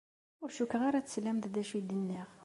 Ur cukkeɣ ara teslamt-d acu i d-nniɣ.